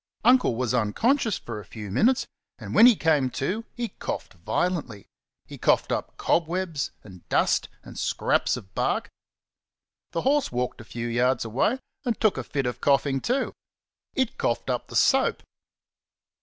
Uncle was unconscious for a few minutes, and when he came to he coughed violently. He coughed up cobwebs and dust and scraps of bark. The horse walked a few yards away and took a fit of coughing too. It coughed up the soap.